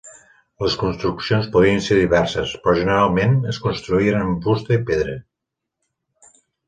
Les construccions podien ser diverses, però generalment es construïen amb fusta i pedra.